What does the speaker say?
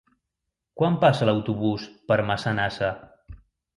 Quan passa l'autobús per Massanassa?